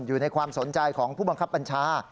อยู่ในความสนใจของผู้บังคับบัญชา